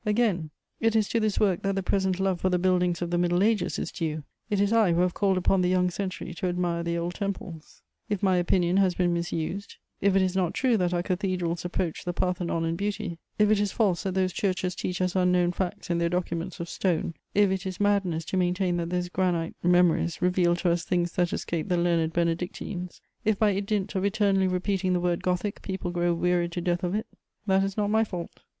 Again, it is to this work that the present love for the buildings of the Middle Ages is due: it is I who have called upon the young century to admire the old temples. If my opinion has been misused; if it is not true that our cathedrals approach the Parthenon in beauty; if it is false that those churches teach us unknown facts in their documents of stone; if it is madness to maintain that those granite memories reveal to us things that escaped the learned Benedictines; if by dint of eternally repeating the word Gothic people grow wearied to death of it: that is not my fault.